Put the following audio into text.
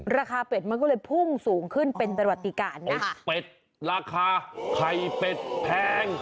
เป็ดมันก็เลยพุ่งสูงขึ้นเป็นประวัติการนะเป็ดราคาไข่เป็ดแพง